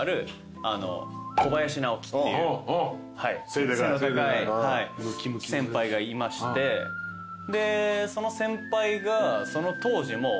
背の高い先輩がいましてでその先輩がその当時もう。